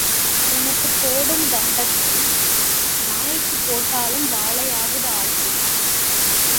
உனக்குப் போடும் தண்டத்தை நாய்க்குப் போட்டாலும் வாலையாவது ஆட்டும்.